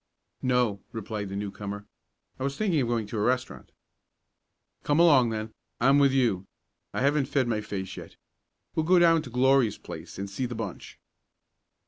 "No," replied the newcomer. "I was thinking of going to a restaurant." "Come along then. I'm with you. I haven't fed my face yet. We'll go down to Glory's place and see the bunch."